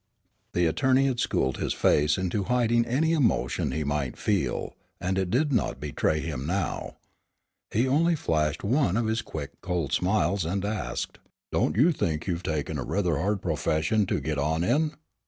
The attorney had schooled his face into hiding any emotion he might feel, and it did not betray him now. He only flashed one of his quick cold smiles and asked, "Don't you think you've taken rather a hard profession to get on in?"